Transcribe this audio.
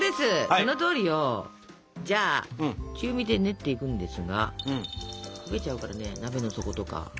そのとおりよ！じゃあ中火で練っていくんですが焦げちゃうからね鍋の底とか。